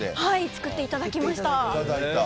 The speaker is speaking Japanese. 作っていただきました。